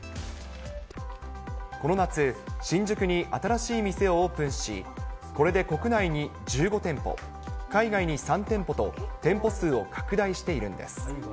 この夏、新宿に新しい店をオープンし、これで国内に１５店舗、海外に３店舗と店舗数を拡大しているんです。